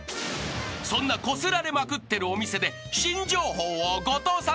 ［そんなこすられまくってるお店で］